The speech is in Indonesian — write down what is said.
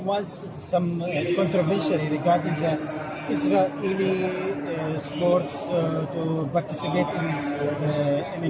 ada kontroversi mengenai sport israel yang dipartisipasi indonesia